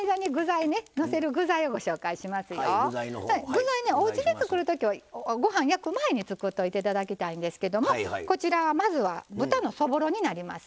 具材ねおうちで作る時はご飯焼く前に作っておいて頂きたいんですけどもこちらはまずは豚のそぼろになります。